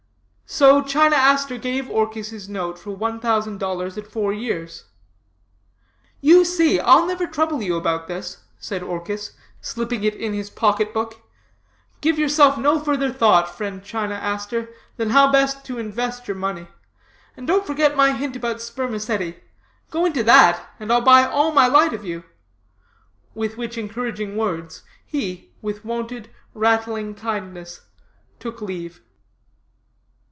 So China Aster gave Orchis his note for one thousand dollars at four years. 'You see I'll never trouble you about this,' said Orchis, slipping it in his pocket book, 'give yourself no further thought, friend China Aster, than how best to invest your money. And don't forget my hint about spermaceti. Go into that, and I'll buy all my light of you,' with which encouraging words, he, with wonted, rattling kindness, took leave.